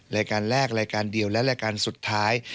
รายการแรกรายการเดียวและรายการสุดท้าย